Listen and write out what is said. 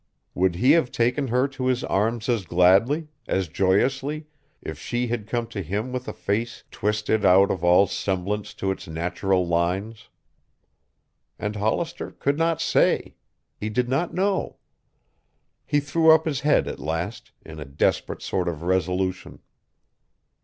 Would he have taken her to his arms as gladly, as joyously, if she had come to him with a face twisted out of all semblance to its natural lines? And Hollister could not say. He did not know. He threw up his head at last, in a desperate sort of resolution.